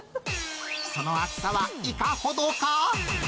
その厚さはいかほどか。